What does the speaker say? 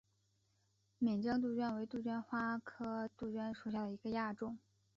岷江杜鹃为杜鹃花科杜鹃属下的一个亚种。